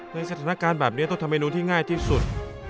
ในสถานการณ์แบบนี้ต้องทำเมนูที่ง่ายที่สุด